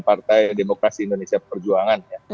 partai demokrasi indonesia perjuangan